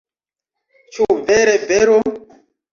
Ĉu vere vero?